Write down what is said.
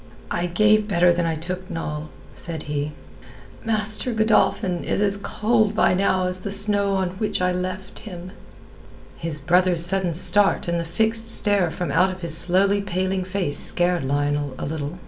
"I gave better than I took, Noll," said he. "Master Godolphin is as cold by now as the snow on which I left him." His brother's sudden start and the fixed stare from out of his slowly paling face scared Lionel a little.